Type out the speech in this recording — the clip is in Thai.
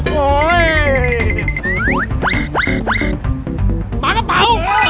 หมาก็เปา